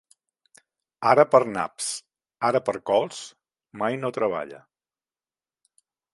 Ara per naps, ara per cols, mai no treballa.